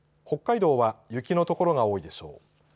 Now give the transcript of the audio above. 北海道は雪の所が多いでしょう。